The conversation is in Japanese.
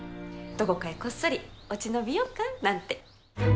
どこかへこっそり落ち延びようかなんて。